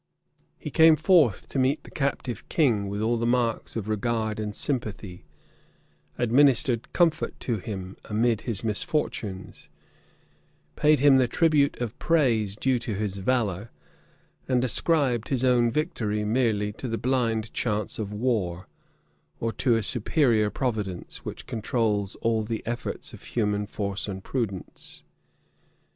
He came forth to meet the captive king with all the marks of regard and sympathy; administered comfort to him amidst his misfortunes; paid him the tribute of praise due to his valor; and ascribed his own victory merely to the blind chance of war, or to a superior providence, which controls all the efforts of human force and prudence.